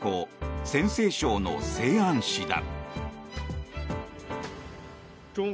陝西省の西安市だ。